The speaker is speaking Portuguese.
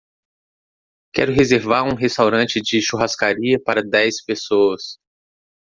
Quero reservar um restaurante de churrascaria para dez pessoas.